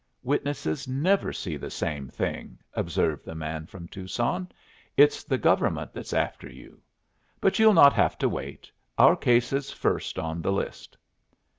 "Witnesses never see the same thing," observed the man from Tucson. "It's the government that's after you. But you'll not have to wait. Our case is first on the list."